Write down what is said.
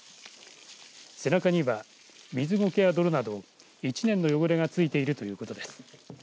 背中にはミズゴケやどろなど１年の汚れがついているということです。